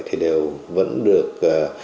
thì đều vẫn được